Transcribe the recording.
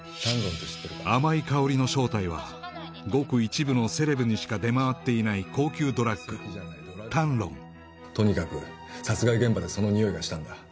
甘い香りの正体はごく一部のセレブにしか出回っていない高級ドラッグタンロンとにかく殺害現場でその匂いがしたんだ